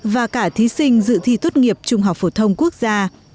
và cả thí sinh dự thi tốt nghiệp trung học phổ thông quốc gia